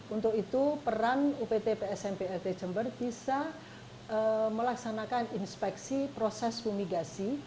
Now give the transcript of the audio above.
untuk itu peran upt psmp at jember bisa melaksanakan inspeksi proses fumigasi